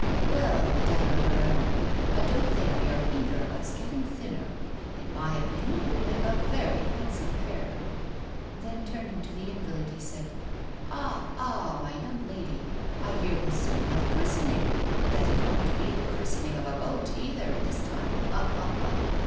" Well, Madame la baronne, I don't think we are either of us getting thinner ; in my opinion we make a very hand some pair." Then turning to the invalid, he said :" Ah, ah ! my young lady, I hear we're soon to have a christening, and that it won't be the christening of a boat either, this time, ha, ha, ha